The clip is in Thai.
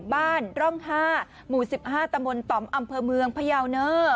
บ้านร่อง๕หมู่๑๕ตมอำเภอเมืองพระยาวเนอร์